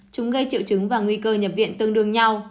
chúng gây triệu chứng và nguy cơ nhập viện tương đương nhau